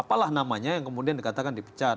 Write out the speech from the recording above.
apalah namanya yang kemudian dikatakan di pecat